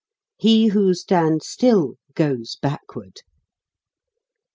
He who stands still, goes backward.